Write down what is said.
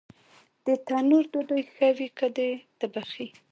د تنور ډوډۍ ښه وي که د تبخي؟